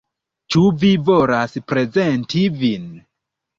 Ĉu vi volas prezenti vin?